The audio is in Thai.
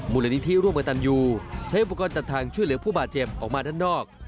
มูลนิธิร่วมกับตันยูใช้อุปกรณ์ตัดทางช่วยเหลือผู้บาดเจ็บออกมาด้านนอก